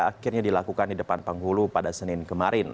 akhirnya dilakukan di depan penghulu pada senin kemarin